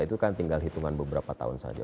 itu kan tinggal hitungan beberapa tahun saja